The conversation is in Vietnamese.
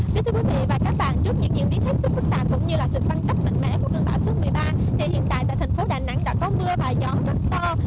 trước những diễn biến hết sức phức tạp cũng như sự phân cấp mạnh mẽ của cơn bão số một mươi ba hiện tại thành phố đà nẵng đã có mưa và gió rất to